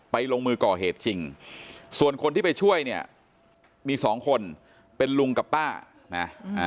ลงมือก่อเหตุจริงส่วนคนที่ไปช่วยเนี่ยมีสองคนเป็นลุงกับป้านะ